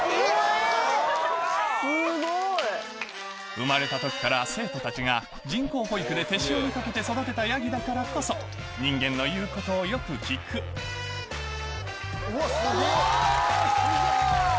生まれた時から生徒たちが人工哺育で手塩にかけて育てたヤギだからこそ人間の言うことをよく聞くうわすげぇ！